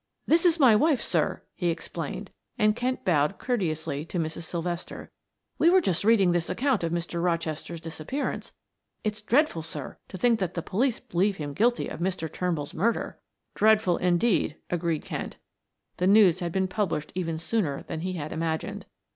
"This is my wife, sir," he explained, and Kent bowed courteously to Mrs. Sylvester. "We were just reading this account of Mr. Rochester's disappearance; it's dreadful, sir, to think that the police believe him guilty of Mr. Turnbull's murder." "Dreadful, indeed," agreed Kent; the news had been published even sooner than he had imagined.